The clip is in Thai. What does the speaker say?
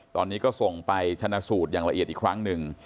ตอนนี้ก็ส่งไปชนะสูตรอย่างละเอียดอีกครั้งหนึ่ง